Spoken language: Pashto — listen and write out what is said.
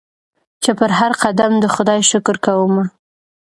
چي پر هرقدم د خدای شکر کومه